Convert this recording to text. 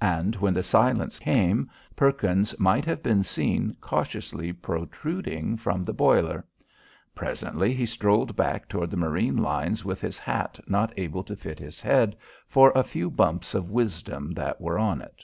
And when the silence came, Perkins might have been seen cautiously protruding from the boiler. Presently he strolled back toward the marine lines with his hat not able to fit his head for the new bumps of wisdom that were on it.